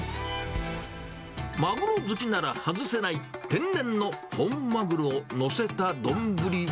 マグロ好きなら外せない天然の本マグロを載せた丼は。